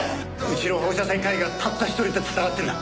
「うちの放射線科医がたった一人で闘ってんだ」